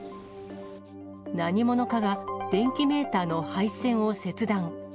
何者かが電気メーターの配線を切断。